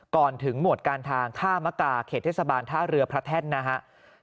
ก่อนถึงหมวดการทางท่ามกาเขตเทศบาลท่าเรือพระแท่นนะครับ